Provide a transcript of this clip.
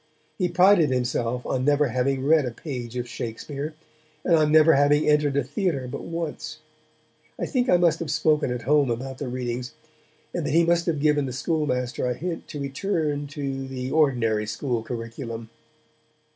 He prided himself on never having read a page of Shakespeare, and on never having entered a theatre but once. I think I must have spoken at home about the readings, and that he must have given the schoolmaster a hint to return to the ordinary school curriculum.